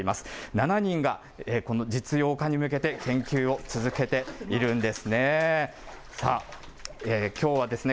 ７人がこの実用化に向けて研究を続けているんですね。